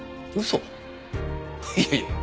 いやいや。